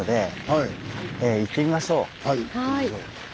はい行ってみましょう。